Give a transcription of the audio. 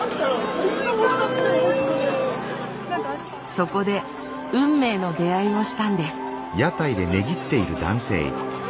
そこで運命の出会いをしたんです。